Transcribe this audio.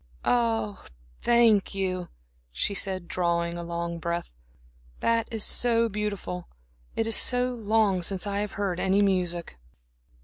"Ah, thank you," she said, drawing a long breath. "That is so beautiful. It is so long since I have heard any music."